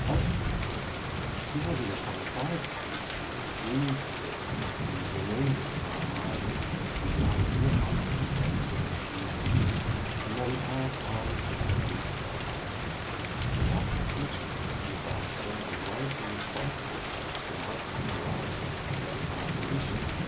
Of these 225 species breed here and the remainder are migrants who drop in on us at certain seasons and then pass on to their breeding grounds. The natural features of Nebraska are largely responsible for this remarkable variety of feathered population.